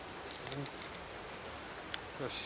よし。